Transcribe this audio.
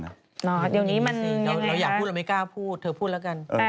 ถือว่าอยากพูดแต่ไม่กล้าพูดแต่เธอพูดแล้วกัน